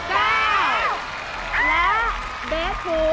ยังน้อยเข้ากัน